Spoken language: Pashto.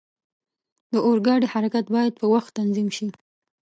د اورګاډي حرکت باید په وخت تنظیم شي.